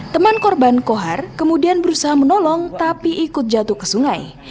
teman korban kohar kemudian berusaha menolong tapi ikut jatuh ke sungai